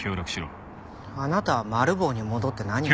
あなたはマル暴に戻って何を？